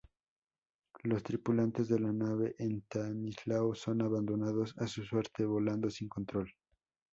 Los tripulantes de la nave "Estanislao" son abandonados a su suerte, volando sin control.